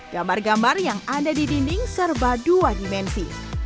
gambar gambar yang ada di dinding serba dua dimensi